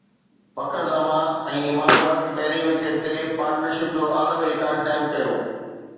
فخر زمان ۽ امام الحق پهرين وڪيٽ تي پارٽنرشپ جو عالمي رڪارڊ قائم ڪيو